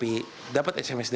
ini adalah pengecekan kedua